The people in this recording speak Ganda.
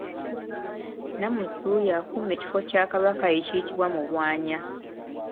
Nnamusu y’akuuma ekifo kya Kabaka ekiyitibwa Mugwanya.